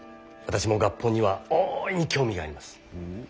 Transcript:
私も合本には大いに興味があります。